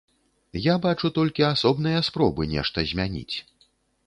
Я бачу толькі асобныя спробы нешта змяніць.